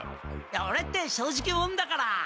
オレって正直もんだから。